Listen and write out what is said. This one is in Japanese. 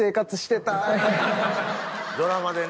ドラマでね